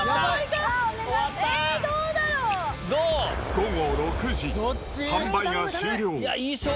午後６時、販売が終了。